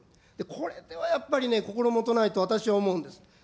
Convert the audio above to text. これではやっぱりね、心もとないと私は思うんです。